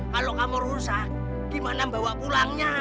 kalau kamu rusak gimana bawa pulangnya